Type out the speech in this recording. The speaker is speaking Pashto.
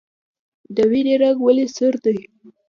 د وینې رنګ ولې سور دی